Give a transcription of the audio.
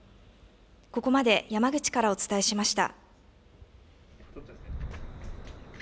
ここまで山口からお伝えしました。